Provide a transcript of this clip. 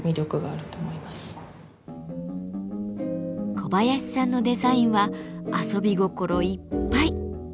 小林さんのデザインは遊び心いっぱい。